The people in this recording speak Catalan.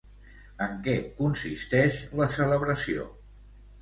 En què consisteix la celebració?